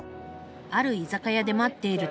ある居酒屋で待っていると。